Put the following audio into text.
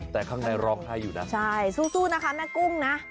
แต่ข้างในร้องไห้อยู่นะใช่สู้นะคะแม่กุ้งนะ